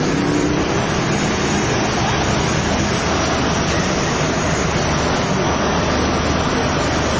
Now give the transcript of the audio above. เบ้าหรือยัง